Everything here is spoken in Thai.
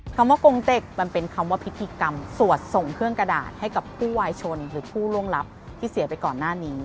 คำว่ากงเต็กมันเป็นคำว่าพิธีกรรมสวดส่งเครื่องกระดาษให้กับผู้วายชนหรือผู้ล่วงลับที่เสียไปก่อนหน้านี้